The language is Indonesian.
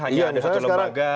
hanya ada satu lembaga